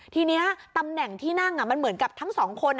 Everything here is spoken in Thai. ทีนี้ตำแหน่งที่นั่งมันเหมือนกับทั้งสองคน